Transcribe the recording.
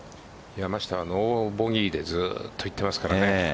山下はノーボギーでずっといっていますからね。